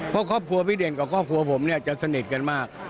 เพราะครอบครัวพี่เด่นกับครอบครัวผมเนี่ยจะสนิทกันมาก